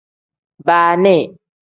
Baani.